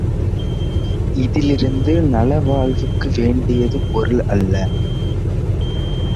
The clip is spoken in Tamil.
இதிலிருந்து நலவாழ்வுக்கு வேண்டியது பொருள் அல்ல.